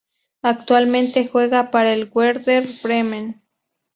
Actualmente, juega para el Werder Bremen.